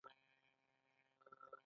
د آمر له اوامرو اطاعت کول پکار دي.